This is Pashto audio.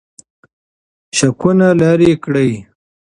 شکونه لرې کړئ.